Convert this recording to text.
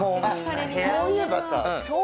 そういえばさ翔